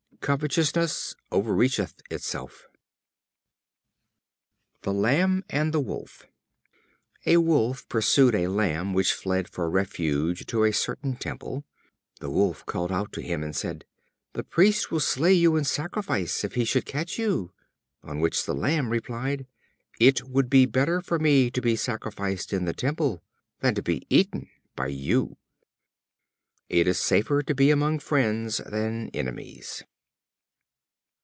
Covetousness overreacheth itself. The Lamb and the Wolf. A Wolf pursued a Lamb, which fled for refuge to a certain temple. The Wolf called out to him and said: "The priest will slay you in sacrifice, if he should catch you;" on which the Lamb replied: "It would be better for me to be sacrificed in the temple, than to be eaten by you." It is safer to be among friends than enemies.